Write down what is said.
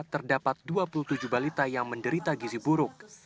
terdapat dua puluh tujuh balita yang menderita gizi buruk